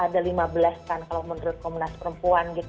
ada lima belas kan kalau menurut komnas perempuan gitu